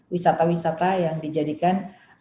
wisata wisata yang dijadikan